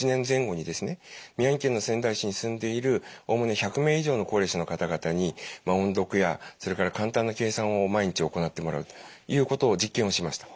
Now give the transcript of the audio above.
宮城県の仙台市に住んでいるおおむね１００名以上の高齢者の方々に音読やそれから簡単な計算を毎日行ってもらうということを実験をしました。